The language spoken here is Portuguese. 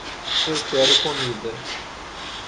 Eu quero comida.